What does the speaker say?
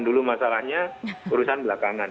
dulu masalahnya urusan belakangan